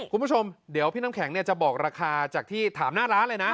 คุณผู้ชมเดี๋ยวพี่น้ำแข็งจะบอกราคาจากที่ถามหน้าร้านเลยนะ